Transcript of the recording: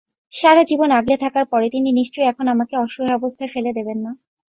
সারা জীবন আগলে থাকার পরে তিনি নিশ্চয়ই এখন আমাকে অসহায় অবস্থায় ফেলে দেবেন না।